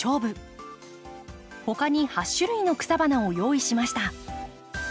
他に８種類の草花を用意しました。